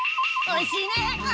おいしい！